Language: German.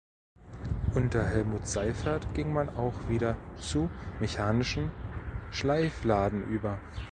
Unter Helmut Seifert ging man auch wieder zu mechanischen Schleifladen über.